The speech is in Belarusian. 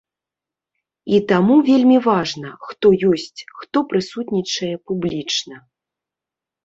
І таму вельмі важна, хто ёсць, хто прысутнічае публічна.